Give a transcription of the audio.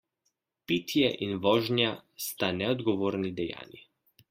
Pitje in vožnja sta neodgovorni dejanji.